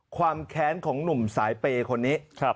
ความแค้นของหนุ่มสายเปย์คนนี้